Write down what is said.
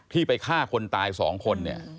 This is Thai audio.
ที่ไปฆ่าคนตายสองคนเนี่ย